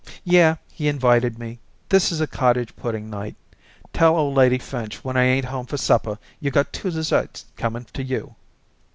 "Yeh. He invited me. This is cottage pudding night; tell old lady Finch when I ain't home for supper you got two desserts coming to you."